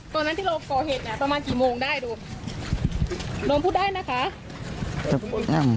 ตอนนั้นที่เราก่อเห็ดประมาณกี่โมงได้โดมพูดได้นะคะ